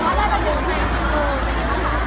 ถามว่าแล้วค่ะคือควันในเมื่อวันไทย